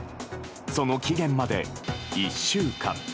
その期限まで１週間。